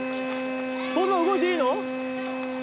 そんな動いていいの？